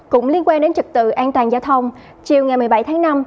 cũng liên quan đến trật tự an toàn giao thông chiều ngày một mươi bảy tháng năm